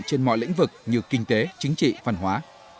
trên mọi lĩnh vực như kinh tế chính trị văn hóa